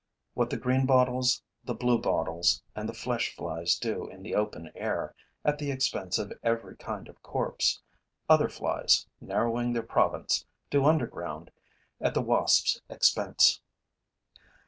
What the greenbottles, the bluebottles and the flesh flies do in the open air, at the expense of every kind of corpse, other flies, narrowing their province, do underground at the Wasps' expense.